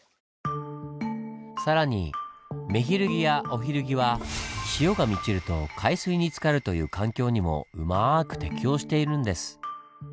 更にメヒルギやオヒルギは潮が満ちると海水につかるという環境にもうまく適応しているんです。